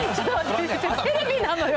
テレビなのよ。